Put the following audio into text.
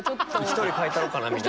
１人描いたろうかなみたいな。